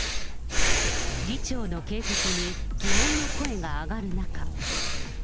議長の継続に疑問の声が上がる中。